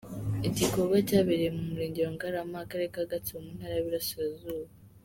Igikorwa cyabereye mu murenge wa Ngarama ,Akarere ka Gatsibo ,mu Ntara y’i Burasirazuba .